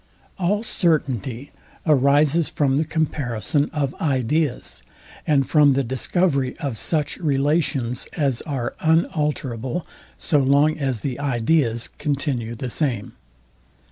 All certainty arises from the comparison of ideas, and from the discovery of such relations as are unalterable, so long as the ideas continue the same.